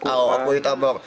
iya aku ditabak